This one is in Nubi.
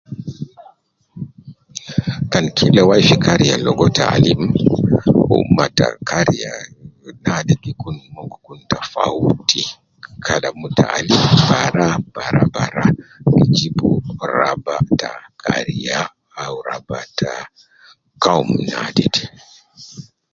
Kan kila wai fi kariya gi logo taalim, umma ta kariya gi kun mon gi kun tafauti kalam taalim bara bara gi jibu raba ya kariya au raba koum naade de